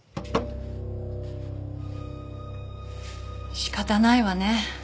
仕方ないわね。